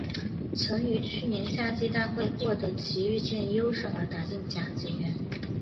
曾于去年夏季大会获得崎玉县优胜而打进甲子园。